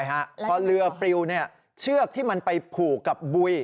พอเรือปลิวเชือกที่มันไปผูกกับบุย